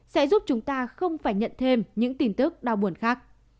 sẽ giúp chúng ta không phải nhận thêm những tin tức đau buồn khác